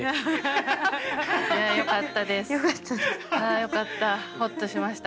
あよかった。